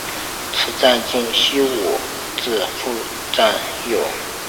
此站近西武秩父站有。